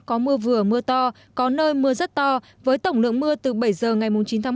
có mưa vừa mưa to có nơi mưa rất to với tổng lượng mưa từ bảy h ngày chín một mươi